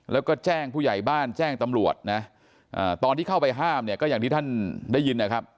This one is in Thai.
แล้วก็แจ้งผู้ใหญ่บ้านแจ้งตำรวจนะตอนที่เข้าไปห้ามเนี่ยก็อย่างที่ท่านได้ยินนะครับ